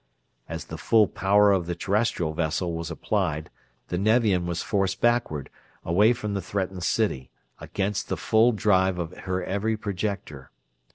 As the full power of the Terrestrial vessel was applied the Nevian was forced backward, away from the threatened city, against the full drive of her every projector.